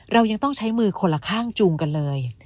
เรายังต้องใช้มือคนละข้างจูงกันเลย